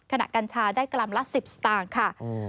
กัญชาได้กรัมละ๑๐สตางค์ค่ะ